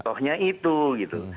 soalnya itu gitu